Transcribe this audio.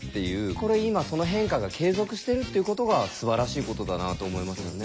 これ今その変化が継続してるっていうことがすばらしいことだなと思いますよね。